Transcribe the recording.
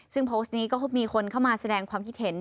ซึ่งโพสต์นี้ก็มีคนเข้ามาแสดงความคิดเห็น